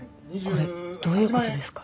これどういう事ですか？